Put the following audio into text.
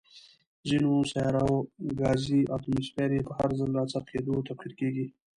ځینو سیارو ګازي اتموسفیر یې په هر ځل راڅرخېدو، تبخیر کیږي.